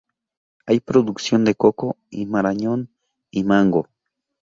Hay producción de coco, marañón y mango.